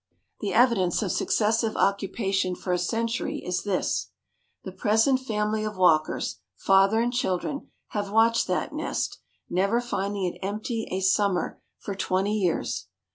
The evidence of successive occupation for a century is this: The present family of Walkers—father and children—have watched that nest, never finding it empty a summer for twenty years.